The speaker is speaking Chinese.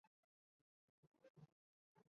这个规则对于勋位及赠位也同样适用。